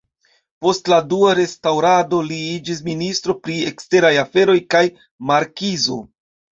Post la Dua restaŭrado li iĝis ministro pri eksteraj aferoj kaj markizo.